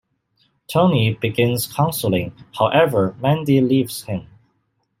Tony begins counselling, however Mandy leaves him.